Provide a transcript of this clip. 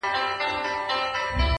د شمعي جنازې ته پروانې دي چي راځي!.